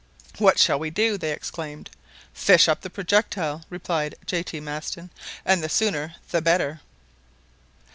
"What shall we do?" they exclaimed. "Fish up the projectile," replied J. T. Maston, "and the sooner the better."